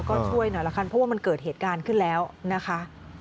ก็ช่วยหน่อยละกันเพราะว่ามันเกิดเหตุการณ์ขึ้นแล้วนะคะ